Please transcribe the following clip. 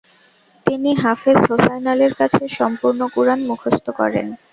তিনি হাফেয হোসাইন আলীর কাছে সম্পূর্ণ কুরআন মুখস্থ করেন।